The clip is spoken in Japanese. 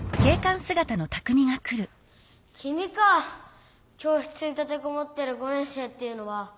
きみか教室に立てこもってる５年生っていうのは。